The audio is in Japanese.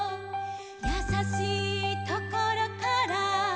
「やさしいところから」